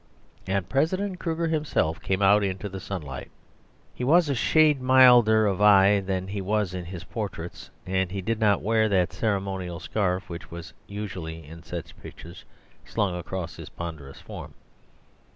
And President Kruger himself came out into the sunlight! He was a shade milder of eye than he was in his portraits, and he did not wear that ceremonial scarf which was usually, in such pictures, slung across his ponderous form.